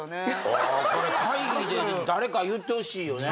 ああこれ会議で誰か言ってほしいよね。